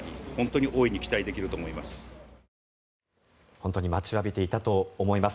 本当に待ちわびていたと思います。